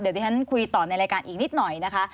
เดี๋ยวที่ฉันคุยต่อในรายการอีกนิดหน่อยนะคะ